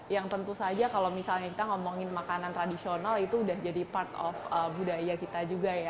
yang tentu saja kalau misalnya kita ngomongin makanan tradisional itu udah jadi part of budaya kita juga ya